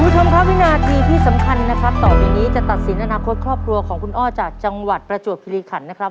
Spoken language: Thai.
คุณผู้ชมครับวินาทีที่สำคัญนะครับต่อไปนี้จะตัดสินอนาคตครอบครัวของคุณอ้อจากจังหวัดประจวบคิริขันนะครับ